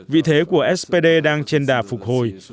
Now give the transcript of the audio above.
vị thế của spd đang trên đà phục hồi